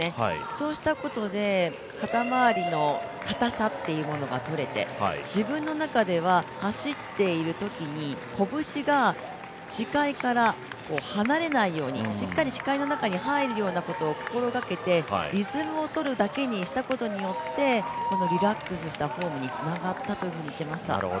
そうしたことで肩周りのかたさっていうのがとれて、自分の中では走っているときに拳が視界から離れないようにしっかり視界の中に入るようなことを心がけてリズムをとるだけにしたことによってリラックスしたフォームにつながったと言っていました。